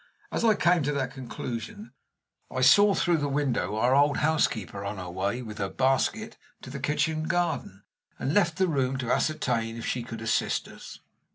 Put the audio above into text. As I came to that conclusion, I saw through the window our old housekeeper on her way, with her basket, to the kitchen garden, and left the room to ascertain if she could assist us.